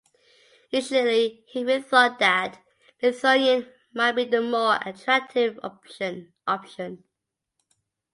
Initially Hewitt thought that Lithuanian might be the more attractive option.